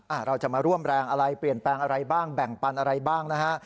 เราจะมาร่วมแรงอะไรเปลี่ยนแปลงอะไรบ้างแบ่งปันอะไรบ้างนะฮะ